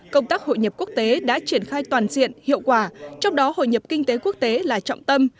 công tác hội nhập quốc tế đã triển khai toàn diện hiệu quả trong đó hội nhập kinh tế quốc tế là trọng tâm